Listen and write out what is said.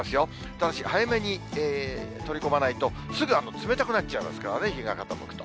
ただし、早めに取り込まないと、すぐ冷たくなっちゃいますからね、日が傾くと。